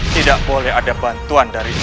tidak boleh ada bantuan dari